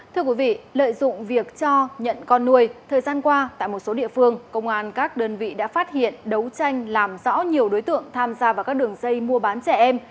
thưa quý vị lợi dụng việc cho nhận con nuôi thời gian qua tại một số địa phương công an các đơn vị đã phát hiện đấu tranh làm rõ nhiều đối tượng tham gia vào các đường dây mua bán trẻ em